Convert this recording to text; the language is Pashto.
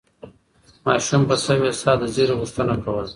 ماشوم په سوې ساه د زېري غوښتنه کوله.